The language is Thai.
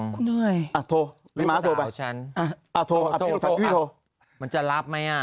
คุณเหนื่อยอ่ะโทรพี่ม้าโทรไปฉันอ่าโทรอ่ะพี่โทรมันจะรับไหมอ่ะ